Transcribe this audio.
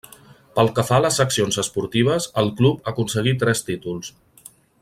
Pel que fa a les seccions esportives, el club aconseguí tres títols.